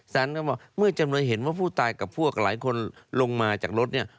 เขาบอกเมื่อจำเลยเห็นว่าผู้ตายกับพวกหลายคนลงมาจากรถเนี่ย